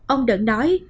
ông đần nói